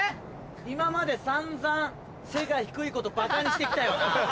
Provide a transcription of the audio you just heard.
今まで散々背が低いことばかにしてきたよな。